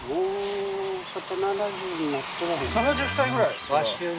７０歳ぐらい？